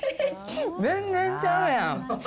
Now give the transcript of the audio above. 全然ちゃうやん。